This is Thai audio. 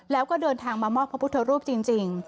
แล้วก็เดินทางมามอบพระพุทธรูปจริง